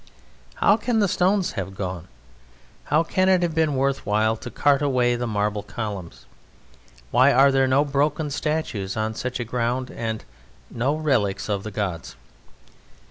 How can the stones have gone? How can it have been worth while to cart away the marble columns? Why are there no broken statues on such a ground, and no relics of the gods?